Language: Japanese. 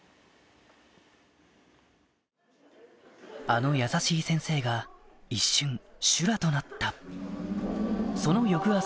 あの優しい先生が一瞬修羅となったその翌朝